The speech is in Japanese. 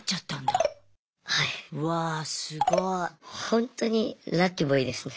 本当にラッキーボーイですね。